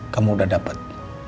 kamu udah dapet